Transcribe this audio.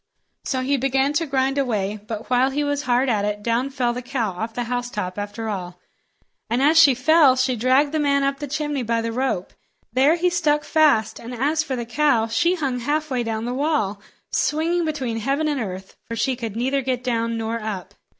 So he began to grind away; but while he was hard at it, down fell the cow off the housetop after all, and as she fell, she dragged the man up the chimney by the rope. There he stuck fast; and as for the cow, she hung halfway down the wall, swinging between heaven and earth, for she could neither get down nor up.